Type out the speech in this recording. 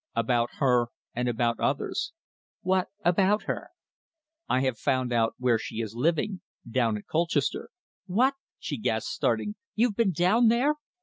"About her and about others." "What about her?" "I have found out where she is living down at Colchester." "What?" she gasped, starting. "You've been down there?"